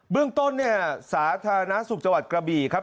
เบื้องต้นสาธารณสุขจังหวัดกราบีครับ